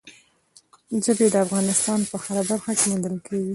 ژبې د افغانستان په هره برخه کې موندل کېږي.